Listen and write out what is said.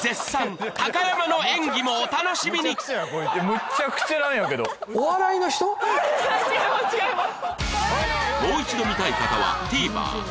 むっちゃくちゃなんやけど違います違います！